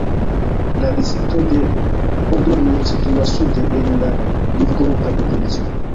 La distrikto de Poddorje situas sude en la Novgoroda provinco.